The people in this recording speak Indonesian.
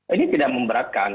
ini tidak memberatkan